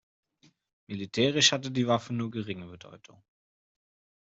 Militärisch hatte die Waffe nur geringe Bedeutung.